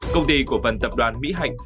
công ty của phần tập đoàn mỹ hạnh